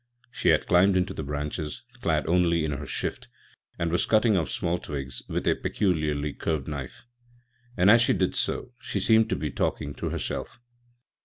She had climbed into the branches, clad only, in her shift, and was cutting off small twigs with a peculiarly curved knife, and as she did so she seemed to be talking to herself.